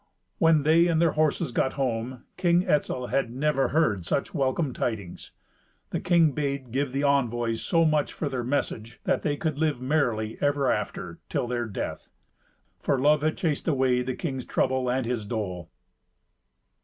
When they and their horses got home, King Etzel had never heard such welcome tidings. The king bade give the envoys so much for their message that they could live merrily ever after, till their death. For love had chased away the king's trouble and his dole.